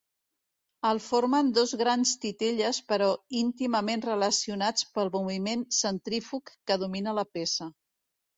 El formen dos grans titelles però íntimament relacionats pel moviment centrífug que domina la peça.